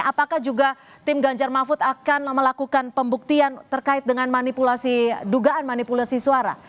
apakah juga tim ganjar mahfud akan melakukan pembuktian terkait dengan manipulasi dugaan manipulasi suara